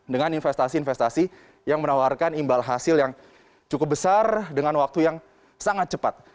dengan investasi investasi yang menawarkan imbal hasil yang cukup besar dengan waktu yang sangat cepat